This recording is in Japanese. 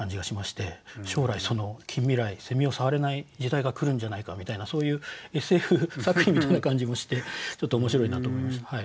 将来近未来を触れない時代が来るんじゃないかみたいなそういうＳＦ作品みたいな感じもしてちょっと面白いなと思いました。